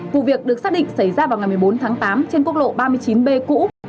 vụ việc được xác định xảy ra vào ngày một mươi bốn tháng tám trên quốc lộ ba mươi chín b cũ